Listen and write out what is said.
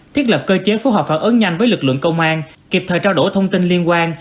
thiết lập cơ chế phối hợp phản ứng nhanh với lực lượng công an kịp thời trao đổi thông tin liên quan